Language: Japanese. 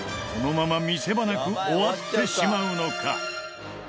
このまま見せ場なく終わってしまうのか！？